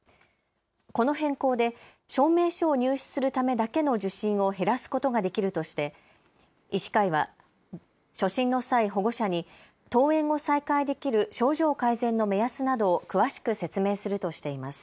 この変更で証明書を入手するためだけの受診を減らすことができるとして医師会は初診の際、保護者に登園を再開できる症状改善の目安などを詳しく説明するとしています。